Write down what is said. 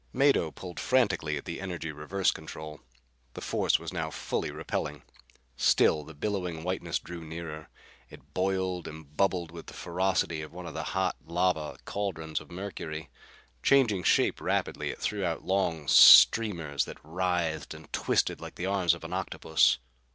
Mado pulled frantically at the energy reverse control. The force was now fully repelling. Still the billowing whiteness drew nearer. It boiled and bubbled with the ferocity of one of the hot lava cauldrons of Mercury. Changing shape rapidly, it threw out long streamers that writhed and twisted like the arms of an octopus.